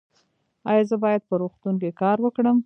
ایا زه باید په روغتون کې کار وکړم؟